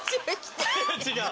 違う？